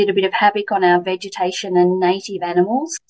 dan menciptakan sedikit kebun di tanah dan hutan asli